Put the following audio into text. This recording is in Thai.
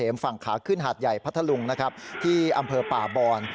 ฝั่งขาขึ้นหาดใหญ่พัทธลุงนะครับที่อำเภอป่าบอน